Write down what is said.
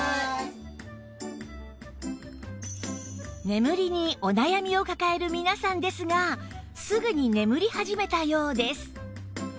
眠りにお悩みを抱える皆さんですがすぐに眠り始めたようです